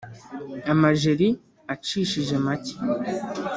amajeri acishije make